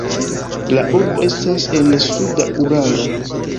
La urbo estas en suda Uralo.